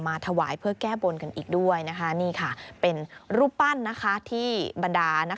ถวายเพื่อแก้บนกันอีกด้วยนะคะนี่ค่ะเป็นรูปปั้นที่บรรดา